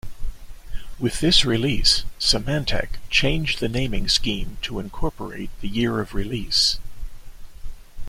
With this release, Symantec changed the naming scheme to incorporate the year of release.